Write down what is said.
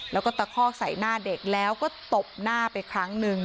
แล้วก็ตะคอกใส่หน้าเด็กแล้วก็ตบหน้าไปครั้งหนึ่ง